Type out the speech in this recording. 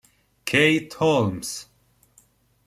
Keith Holmes